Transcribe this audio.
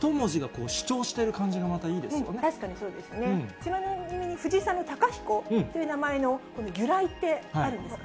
ちなみに藤井さんの貴彦という名前の由来ってあるんですか？